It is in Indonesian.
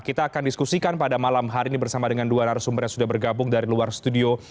kita akan diskusikan pada malam hari ini bersama dengan dua narasumber yang sudah bergabung dari luar studio